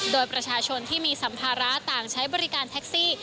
โดยประชาชนที่มีสัมภาระต่างใช้บริการแท็กซี่